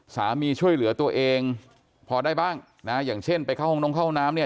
ช่วยเหลือตัวเองพอได้บ้างนะอย่างเช่นไปเข้าห้องน้องเข้าน้ำเนี่ย